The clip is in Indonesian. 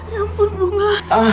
ya ampun bunga